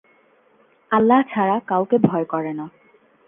আল্লাহ ছাড়া কাউকে ভয় করে না।